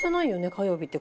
火曜日って。